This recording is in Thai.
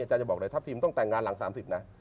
จะบอกเลยทัพทีมต้องแต่งงานหลัง๓๐นะ